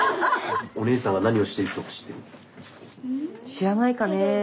知らないかね。